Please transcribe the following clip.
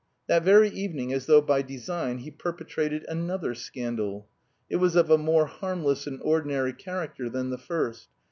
That very evening, as though by design, he perpetrated another scandal. It was of a more harmless and ordinary character than the first.